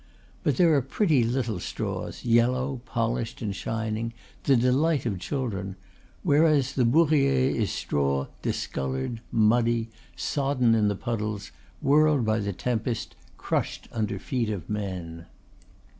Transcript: But there are pretty little straws, yellow, polished, and shining, the delight of children, whereas the bourrier is straw discolored, muddy, sodden in the puddles, whirled by the tempest, crushed under feet of men.